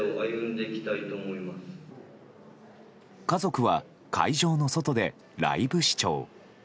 家族は会場の外でライブ視聴。